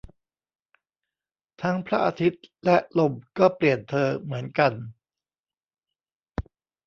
ทั้งพระอาทิตย์และลมก็เปลี่ยนเธอเหมือนกัน